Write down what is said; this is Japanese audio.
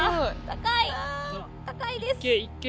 高いです。